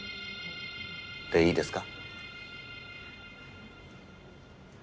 でいいですか？